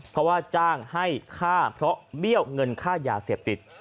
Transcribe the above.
เพราะว่าจ้างให้ฆ่าเพราะเบี้ยวเงินค่ายาเสพติด